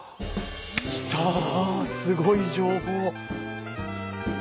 来たすごい情報！